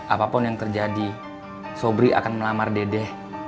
apapun yang terjadi sobri akan melamar dedeh